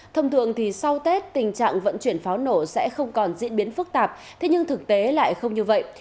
thông thường thì sau tết tình trạng vận chuyển pháo nổ sẽ không còn diễn biến phức tạp thế nhưng thực tế lại không như vậy